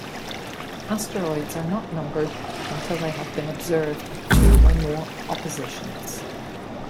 Asteroids are not numbered until they have been observed at two or more oppositions.